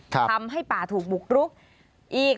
ทำให้ป่าถูกบุกรุกอีก